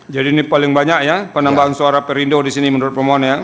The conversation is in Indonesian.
jadi ini paling banyak ya penambahan suara perindo di sini menurut pemohon ya